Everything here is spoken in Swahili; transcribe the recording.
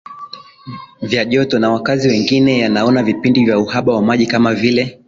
vya joto na wakazi wengi yanaona vipindi vya uhaba wa maji kama vile